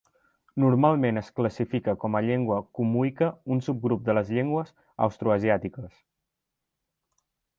Normalment es classifica com a llengua khmuica, un subgrup de les llengües austroasiàtiques.